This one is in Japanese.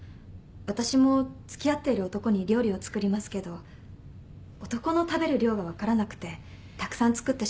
私も付き合ってる男に料理を作りますけど男の食べる量が分からなくてたくさん作ってしまいます。